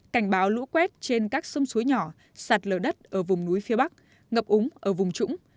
cảnh báo lũ quét trên các sông suối nhỏ sạt lở đất ở vùng núi phía bắc ngập úng ở vùng trũng